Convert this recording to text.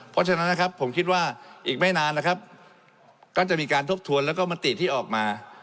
เพราะฉะนั้นนะครับผมคิดว่าอีกไม่นานนะครับก็จะมีการทบทวนแล้วก็มติที่ออกมา